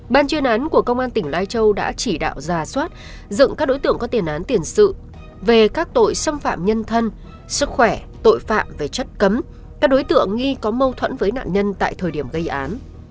ban chuyên án của công an tỉnh lai châu đã chỉ đạo giả soát dựng các đối tượng có tiền án tiền sự về các tội xâm phạm nhân thân sức khỏe tội phạm về chất cấm các đối tượng nghi có mâu thuẫn với nạn nhân tại thời điểm gây án